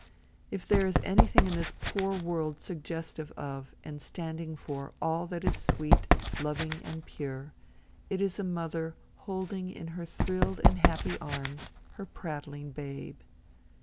If there is anything in this poor world suggestive of, and standing for, all that is sweet, loving and pure, it is a mother holding in her thrilled and happy arms her prattling babe.